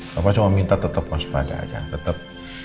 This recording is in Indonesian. bapak cuma minta tetap waspada aja tetap